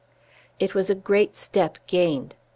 It was a great step gained.